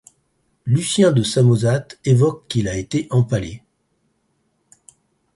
Lucien de Samosate évoque qu'il a été empalé.